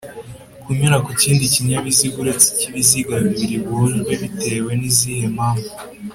kunyura kukindi kinyabiziga uretse icy’ibiziga bibiri bujwe bitewe nizihe mpamvu